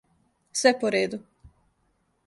Све по реду.